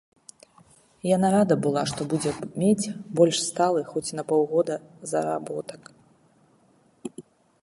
Яна рада была, што будзе мець больш сталы, хоць на паўгода, заработак.